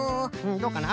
どうかな？